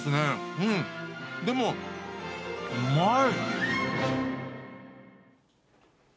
うん、でもうまい。